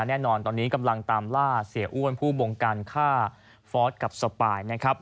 แน่นอนตอนนี้กำลังตามล่าเสียอ้วนผู้บงการฆ่าฟอสกับสปายนะครับ